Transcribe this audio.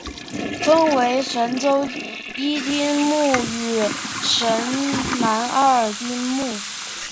分为神南一丁目与神南二丁目。